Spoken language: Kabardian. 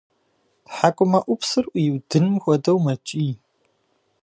Тхьэкӏумэӏупсыр ӏуиудыным хуэдэу мэкӏий.